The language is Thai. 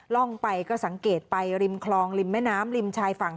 ร่องไปก็สังเกตไปริมคลองริมแม่น้ำริมชายฝั่ง